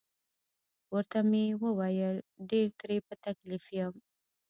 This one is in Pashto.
ورته مې وویل: ډیر ترې په تکلیف یم.